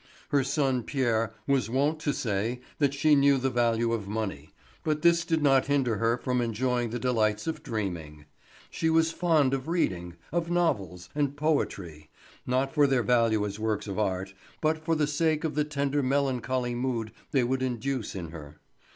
Her son Pierre was wont to say that she knew the value of money, but this did not hinder her from enjoying the delights of dreaming. She was fond of reading, of novels, and poetry, not for their value as works of art, but for the sake of the tender melancholy mood they would induce in her.